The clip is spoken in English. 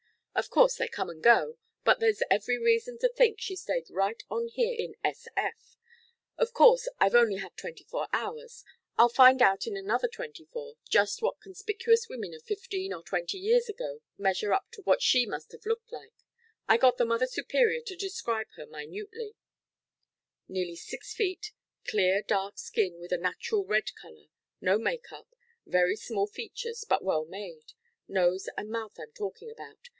Of course, they come and go, but there's every reason to think she stayed right on here in S.F. Of course, I've only had twenty four hours I'll find out in another twenty four just what conspicuous women of fifteen to twenty years ago measure up to what she must have looked like I got the Mother Superior to describe her minutely: nearly six feet, clear dark skin with a natural red color no make up; very small features, but well made nose and mouth I'm talking about.